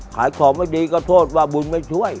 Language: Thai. ขายของไม่ดีก็โทษว่าบุญไม่ช่วย